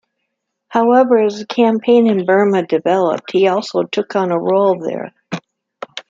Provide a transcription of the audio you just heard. However, as the campaign in Burma developed, he also took on a role there.